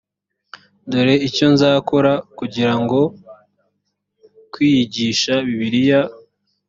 dore icyo nzakora kugira ngo kwiyigisha bibiliya